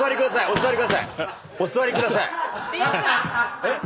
お座りください。